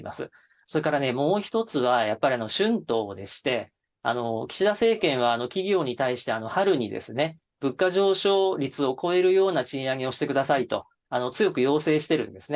それからもう一つは、やっぱり春闘でして、岸田政権は企業に対して、春に物価上昇率を超えるような賃上げをしてくださいと、強く要請してるんですね。